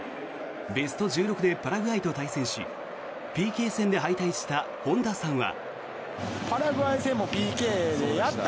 ベスト１６でパラグアイと対戦しＰＫ戦で敗退した本田さんは。